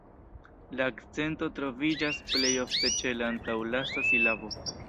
La akcento troviĝas plej ofte ĉe la antaŭlasta silabo.